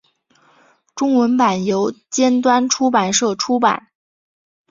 中文版由尖端出版社出版。